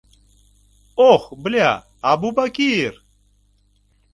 Ох, бля, Абубакир!